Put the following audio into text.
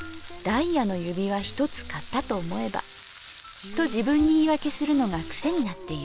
ダイヤの指輪一つ買ったと思えばと自分に言いわけするのが癖になっている。